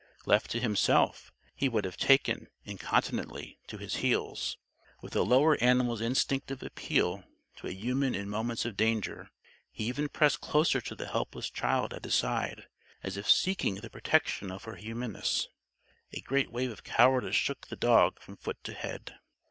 Left to himself, he would have taken, incontinently, to his heels. With the lower animal's instinctive appeal to a human in moments of danger, he even pressed closer to the helpless child at his side, as if seeking the protection of her humanness. A great wave of cowardice shook the dog from foot to head.